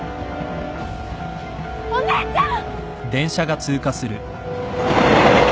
お姉ちゃん！